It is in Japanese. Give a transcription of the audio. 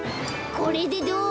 これでどう？